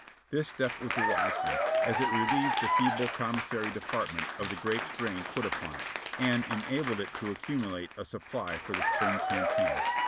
This step was a wise one, as it relieved the feeble Commissary Department of the great strain put upon it, and enabled it to accumulate a supply for the spring cam paign.